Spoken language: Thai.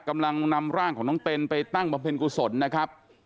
กำลังนำร่างของน้องเต็นไปตั้งบำเพ็ญกุศลนะครับ